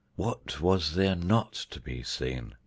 What was there not to be seen!